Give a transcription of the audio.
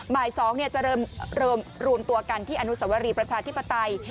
บ่าย๒จะเริ่มรวมตัวกันที่อนุสวรีประชาธิปไตย